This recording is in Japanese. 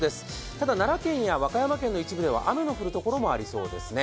ただ、奈良県や和歌山県の一部では雨の降るところもありそうですね。